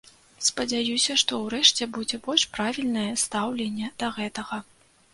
Спадзяюся, што ўрэшце будзе больш правільнае стаўленне да гэтага.